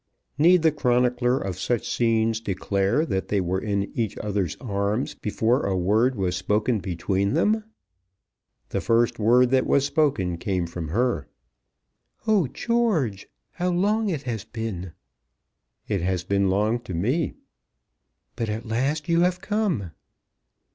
Need the chronicler of such scenes declare that they were in each other's arms before a word was spoken between them? The first word that was spoken came from her. "Oh, George, how long it has been!" "It has been long to me." "But at last you have come?"